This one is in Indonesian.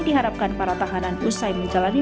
diharapkan para tahanan usai menjalani